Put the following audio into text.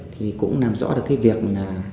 thì cũng làm rõ được cái việc là